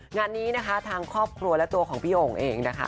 งานนี้นะคะทางครอบครัวและตัวของพี่โอ่งเองนะคะ